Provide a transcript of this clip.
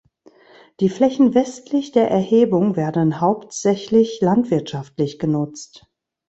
Die Flächen westlich der Erhebung werden hauptsächlich landwirtschaftlich genutzt.